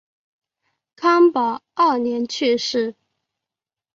康保二年去世。